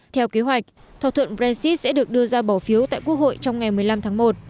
theo kế hoạch thỏa thuận brexit sẽ được đưa ra bỏ phiếu tại quốc hội trong ngày một mươi năm tháng một